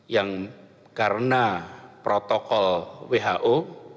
yang karena protokol who